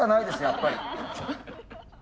やっぱり。